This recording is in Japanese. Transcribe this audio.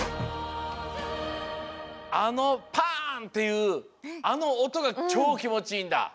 あのパンっていうあのおとがチョーきもちいいんだ。